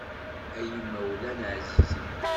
Ay imawlan εzizen.